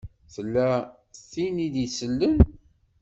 Tella tin i d-isellen.